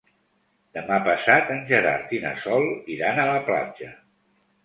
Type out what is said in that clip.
Demà passat en Gerard i na Sol iran a la platja.